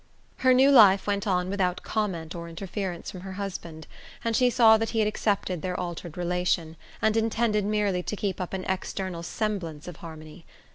Her new life went on without comment or interference from her husband, and she saw that he had accepted their altered relation, and intended merely to keep up an external semblance of harmony.